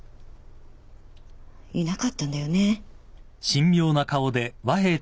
いなかったんだよね。